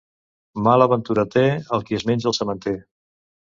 Mala ventura té el qui es menja el sementer.